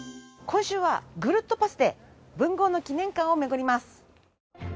今週はぐるっとパスで文豪の記念館を巡ります。